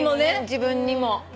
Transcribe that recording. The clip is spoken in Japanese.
自分にも。